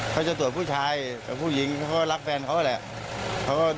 เขาจะตรวจผู้ชายกับผู้หญิงเขาก็รักแฟนเขาแหละ